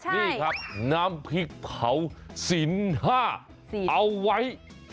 นี่ครับน้ำพริกเผาสิน๕เอาไว้